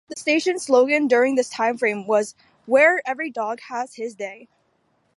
The station's slogan during this timeframe was Where every dog has his day.